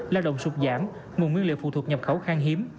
lao động sụt giảm nguồn nguyên liệu phụ thuộc nhập khẩu khang hiếm